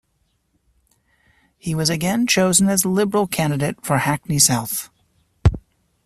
He was again chosen as Liberal candidate for Hackney South.